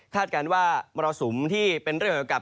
คาดการณ์ว่ามรสุมที่เป็นเรื่องกับ